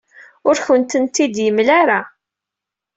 Ur akent-ten-id-yemla ara.